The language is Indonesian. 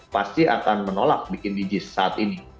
pasti akan menolak bikin dijiz saat ini